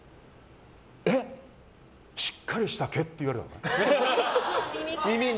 え、しっかりした毛！って言われたの。